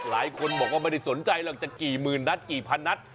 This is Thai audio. หลายคนบอกว่าไม่ได้สนใจหรอกจะกี่หมื่นนัดกี่พันนัด